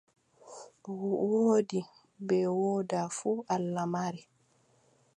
Woodi bee woodaa fuu Allah mari.